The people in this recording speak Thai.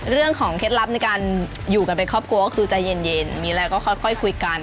เคล็ดลับในการอยู่กันเป็นครอบครัวก็คือใจเย็นมีอะไรก็ค่อยคุยกัน